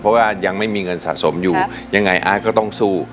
เพราะว่ายังไม่มีเงินสะสมอยู่ยังไงอาร์ตก็ต้องสู้